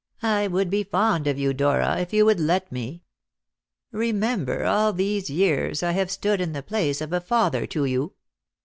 "I would be fond of you, Dora, if you would let me. Remember, all these years I have stood in the place of a father to you."